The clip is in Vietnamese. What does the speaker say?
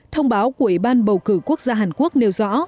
thông báo của ủy ban bầu cử quốc gia hàn quốc nêu rõ